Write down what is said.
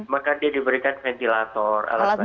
maka dia diberikan ventilator alat bantu nafas